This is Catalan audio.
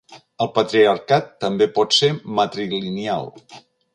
El patriarcat també pot ser matrilineal.